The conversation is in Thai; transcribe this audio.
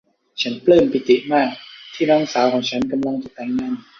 ฉันปลื้มปิติมากที่น้องสาวของฉันกำลังจะแต่งงาน